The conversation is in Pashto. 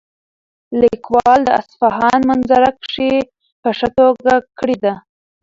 لیکوال د اصفهان منظرکشي په ښه توګه کړې ده.